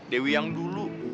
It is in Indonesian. dewi yang dulu